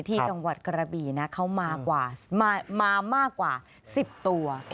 ที่จังหวัดกระบี่นะเขามามากกว่า๑๐ตัว